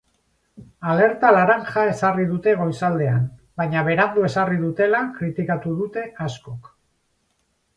Alerta laranja ezarri dute goizaldean, baina berandu ezarri dutela kritikatu dute askok.